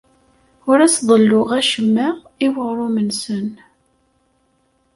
Ur as-ḍelluɣ acemma i weɣrum-nsen.